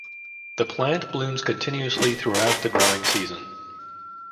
The plant blooms continuously throughout the growing season.